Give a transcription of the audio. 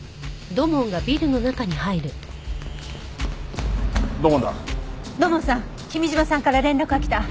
土門さん君嶋さんから連絡が来た。